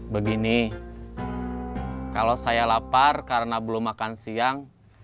begini kalau saya lapar karena belum makan siang